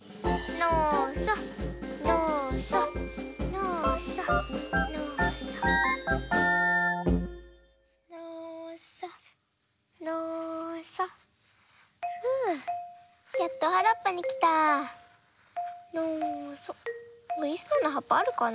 のそおいしそうなはっぱあるかな？